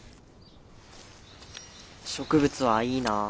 植物はいいな。